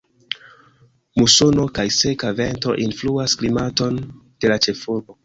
Musono kaj seka vento influas klimaton de la ĉefurbo.